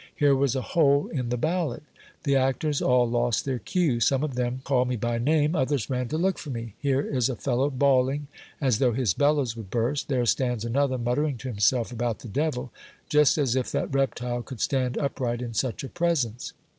Here was a hole in the ballad ! The actors all lost their cue ; some of them called me by name, others ran to look for me; here is a fellow bawling as though his bellows would burst, there stands another, muttering to himself about the devil, just as if that reptile could stand upright in such a presence